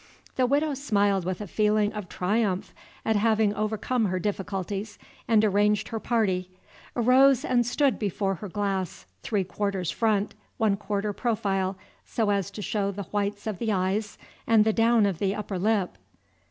The Widow smiled with a feeling of triumph at having overcome her difficulties and arranged her party, arose and stood before her glass, three quarters front, one quarter profile, so as to show the whites of the eyes and the down of the upper lip.